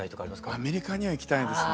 アメリカには行きたいですね。